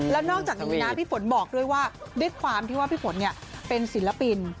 แล้วนอกจากนี้นะพี่ฝนบอกด้วยว่าด้วยความที่ว่าพี่ฝนเป็นศิลปิน